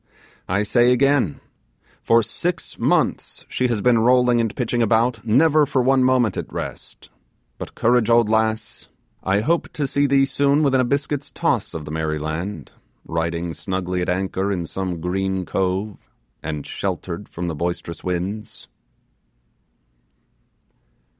I say again: for six months she has been rolling and pitching about, never for one moment at rest. But courage, old lass, I hope to see thee soon within a biscuit's toss of the merry land, riding snugly at anchor in some green cove, and sheltered from the boisterous winds.